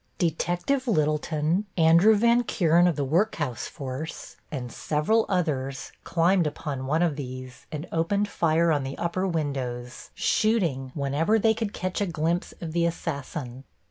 Detective Littleton, Andrew Van Kuren of the Workhouse force and several others climbed upon one of these and opened fire on the upper windows, shooting whenever they could catch a glimpse of the assassin.